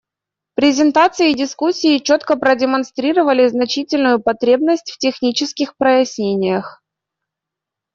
Презентации и дискуссии четко продемонстрировали значительную потребность в технических прояснениях.